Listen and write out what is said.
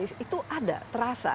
itu ada terasa